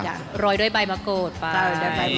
โรยด้วยใบมะกรูดไป